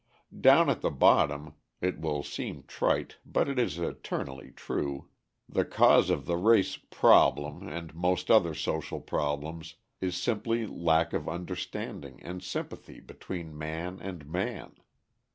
Down at the bottom it will seem trite, but it is eternally true the cause of the race "problem" and most other social problems is simply lack of understanding and sympathy between man and man.